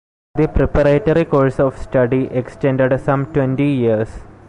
The preparatory course of study extended some twenty years.